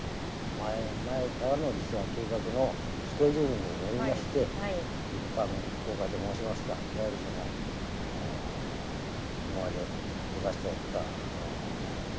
前々からの実は計画のスケジュールによりまして一般公開と申しますかいわゆるその今まで閉ざしておった文庫のね